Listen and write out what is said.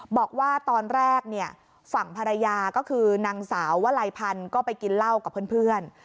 บอกว่าตอนแรกเนี่ยฝั่งภรรยาก็คือนางสาววลัยพันธุ์ก็ไปกินเหล้ากับเพื่อน